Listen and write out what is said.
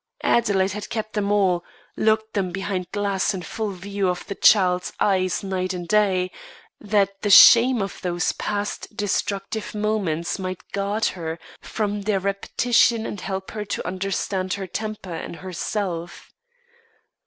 Adelaide had kept them all, locked behind glass and in full view of the child's eyes night and day, that the shame of those past destructive moments might guard her from their repetition and help her to understand her temper and herself.